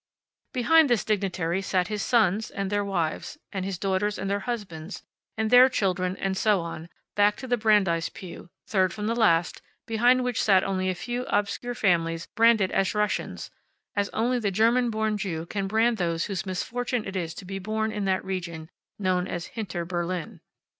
Behind this dignitary sat his sons, and their wives, and his daughters and their husbands, and their children, and so on, back to the Brandeis pew, third from the last, behind which sat only a few obscure families branded as Russians, as only the German born Jew can brand those whose misfortune it is to be born in that region known as hinter Berlin.